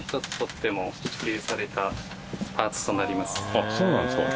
あっそうなんですか。